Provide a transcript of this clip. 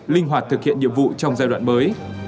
linh hoạt thực hiện nhiệm vụ trong giai đoạn mới